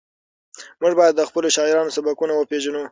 موږ باید د خپلو شاعرانو سبکونه وپېژنو.